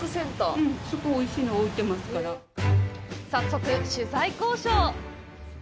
早速、取材交渉！